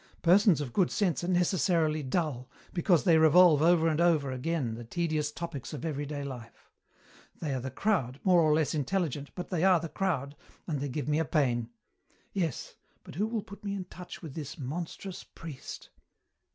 Persons of good sense are necessarily dull, because they revolve over and over again the tedious topics of everyday life. They are the crowd, more or less intelligent, but they are the crowd, and they give me a pain. Yes, but who will put me in touch with this monstrous priest?"